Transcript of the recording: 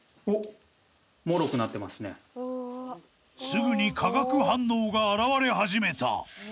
［すぐに化学反応が表れ始めた］